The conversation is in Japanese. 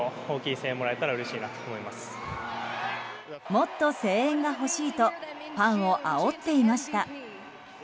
もっと声援が欲しいとファンをあおっていました。